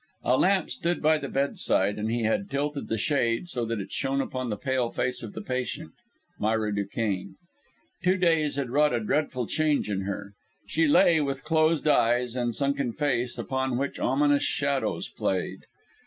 A lamp stood by the bedside, and he had tilted the shade so that it shone upon the pale face of the patient Myra Duquesne. Two days had wrought a dreadful change in her. She lay with closed eyes, and sunken face upon which ominous shadows played.